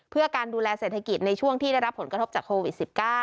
เพื่อการดูแลเศรษฐกิจในช่วงที่ได้รับผลกระทบจากโควิด๑๙